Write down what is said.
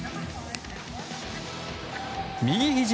右ひじ